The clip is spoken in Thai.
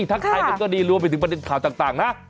ทักทายกันก็ดีรวมไปถึงประเด็นข่าวต่างนะ